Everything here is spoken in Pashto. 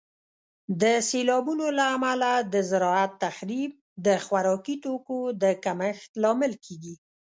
د سیلابونو له امله د زراعت تخریب د خوراکي توکو د کمښت لامل کیږي.